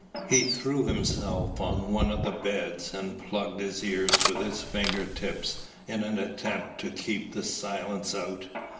He threw himself on one of the beds and plugged his ears with his finger tips in an attempt to keep the silence out.